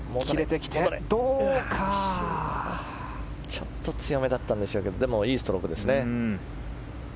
ちょっと強めだったんでしょうけどでもいいストロークですね。